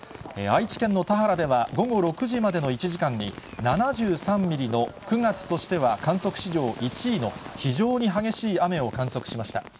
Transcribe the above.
愛知県の田原では、午後６時までの１時間に、７３ミリの、９月としては観測史上１位の非常に激しい雨を観測しました。